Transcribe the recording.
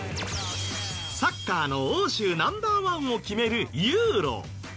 サッカーの欧州ナンバーワンを決めるＥＵＲＯ。